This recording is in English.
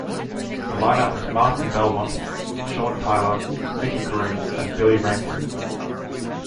The line-up was Martin Belmont, Sean Tyla, Micky Groome and Billy Rankin.